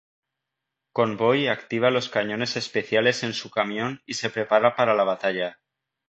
Convoy activa los cañones especiales en su camión y se prepara para la batalla.